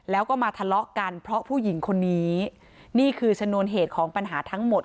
แล้วก็มาทะเลาะกันเพราะผู้หญิงคนนี้นี่คือชนวนเหตุของปัญหาทั้งหมด